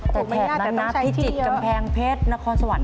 ตกแถบนั้นนะพิจิตรกำแพงเพชรนครสวรรค